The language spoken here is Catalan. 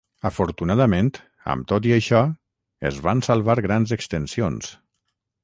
Afortunadament, amb tot i això, es van salvar grans extensions.